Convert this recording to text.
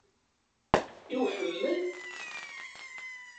I uḥemmel?